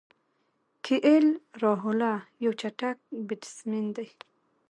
کی ایل راهوله یو چټک بیټسمېن دئ.